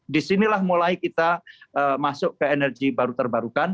disinilah mulai kita masuk ke energi baru terbarukan